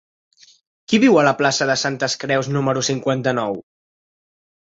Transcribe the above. Qui viu a la plaça de Santes Creus número cinquanta-nou?